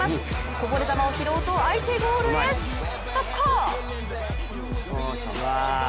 こぼれ球を拾うと相手ゴールへ速攻。